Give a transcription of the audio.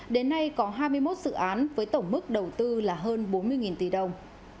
đến nay có hai mươi một dự án với tổng mức đầu tư là hơn bốn mươi tỷ đồng